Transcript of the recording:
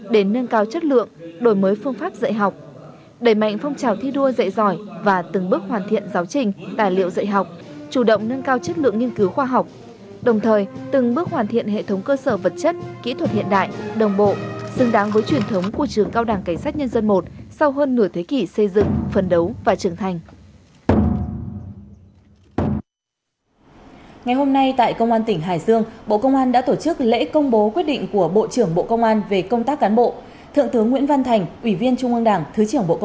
để nâng cao chất lượng đổi mới phương pháp dạy học đẩy mạnh phong trào thi đua dạy giỏi và từng bước hoàn thiện giáo trình tài liệu dạy học chủ động nâng cao chất lượng nghiên cứu khoa học đồng thời từng bước hoàn thiện hệ thống cơ sở vật chất kỹ thuật hiện đại đồng bộ xứng đáng với truyền thống của trường cao đảng cảnh sát nhân dân i sau hơn nửa thế kỷ xây dựng phần đấu và trưởng thành